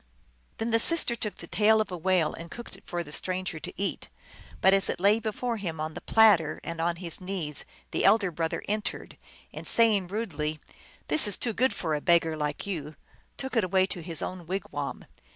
Then the sister took the tail of a whale, and cooked it for the stranger to eat. But as it lay before him, on the platter and on his knees, the elder brother en tered, and saying rudely, " This is too good for a beg gar like you," took it away to his own wigwam.